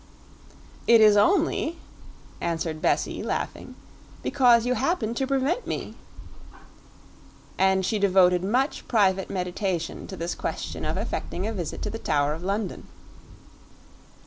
"It is only," answered Bessie, laughing, "because you happen to prevent me." And she devoted much private meditation to this question of effecting a visit to the Tower of London.